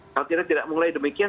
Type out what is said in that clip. kalau tidak mengulangi demikian